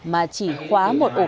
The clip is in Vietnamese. mà chỉ khóa một ổ khóa